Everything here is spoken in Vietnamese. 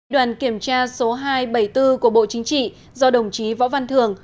đoàn kiểm tra số hai trăm bảy mươi bốn của bộ chính trị do đồng chí võ văn thường